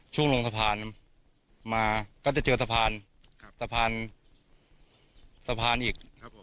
ช่วงลงสะพานมาก็จะเจอสะพานสะพานอีกครับผม